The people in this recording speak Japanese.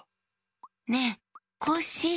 ねえコッシー！